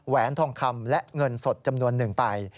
แหวนทองคำและเงินสดจำนวน๑ไป